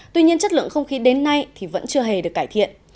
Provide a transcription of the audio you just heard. tuy nhiên chất lượng không khí đến nay thì vẫn chưa hề được cải thiện